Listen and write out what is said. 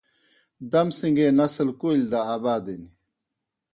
دم سݩگے نسل کولیْ دہ آبادِن۔